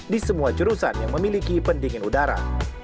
di semua jurusan yang memiliki pendingin udara